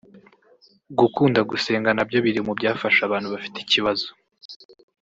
Gukunda gusenga na byo biri mu byafasha abantu bafite ikibazo